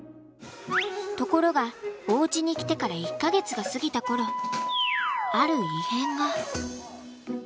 ところがおうちに来てから１か月が過ぎた頃ある異変が。